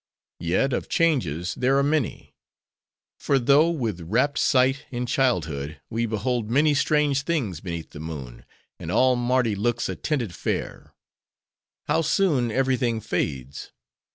Yet, of changes there are many. For though, with rapt sight, in childhood, we behold many strange things beneath the moon, and all Mardi looks a tented fair— how soon every thing fades.